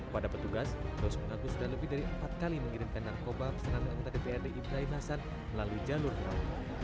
pada petugas ros mengaku sudah lebih dari empat kali mengirimkan narkoba pesanan anggota dprd ibrahim hasan melalui jalur laut